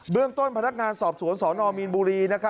เรื่องต้นพนักงานสอบสวนสนมีนบุรี